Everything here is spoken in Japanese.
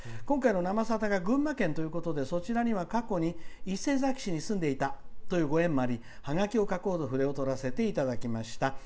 今回の「生さだ」が群馬県ということで、そちらには過去に伊勢崎市に住んでいたというご縁もありハガキを書こうと筆を執らせていただきました。